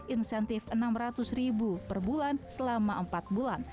insentif rp enam ratus per bulan selama empat bulan